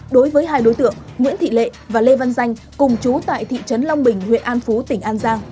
đối với hai đối tượng nguyễn thị lệ và lê văn danh cùng chú tại thị trấn long bình huyện an phú tỉnh an giang